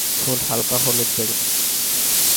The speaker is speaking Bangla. ফুল হালকা হলুদ-বেগুনি।